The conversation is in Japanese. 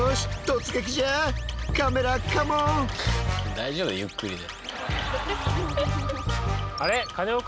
大丈夫ゆっくりで。